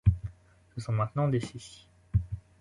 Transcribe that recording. Ce sont maintenant des cicis.